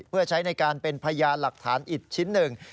เพื่อใช้ในการเป็นพยานหลักฐานอีกชิ้นหนึ่ง